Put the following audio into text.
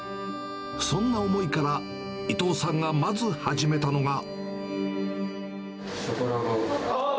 そんな思いから、伊藤さんがまず始めたのが。